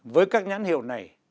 với các nhãn hiệu này